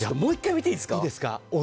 もう１回見ていいですか。